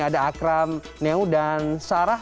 ada akram neo dan sarah